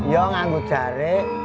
ya nganggut jari